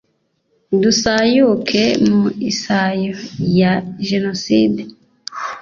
dusayuke mu isayo ya jenoside